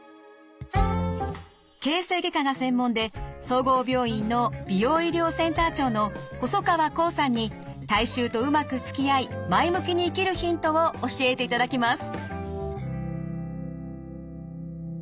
形成外科が専門で総合病院の美容医療センター長の細川亙さんに体臭とうまくつきあい前向きに生きるヒントを教えていただきます。